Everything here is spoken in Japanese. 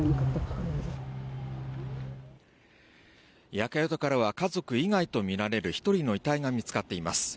焼け跡からは家族以外とみられる１人の遺体が見つかっています。